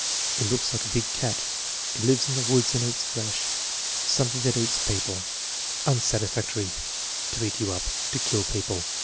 "It looks like a big cat." "It lives in the woods and eats flesh." "Something that eats people." Unsatisfactory. "To eat you up." "To kill people."